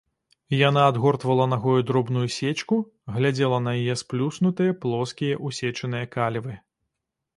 Яна адгортвала нагою дробную сечку, глядзела на яе сплюснутыя, плоскія, усечаныя калівы.